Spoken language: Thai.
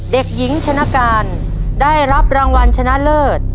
เด็กหญิงชนะการได้รับรางวัลชนะเลิศ